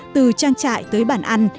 từ trang trại tới bản ăn